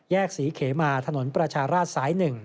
ศรีเขมาถนนประชาราชสาย๑